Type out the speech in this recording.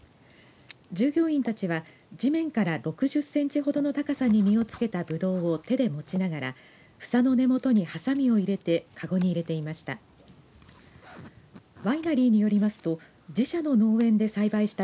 従業員たちは地面から６０センチほどの高さに実をつけたブドウを手で持ちながらふさの根元にはさみを入れてかごに入れていました。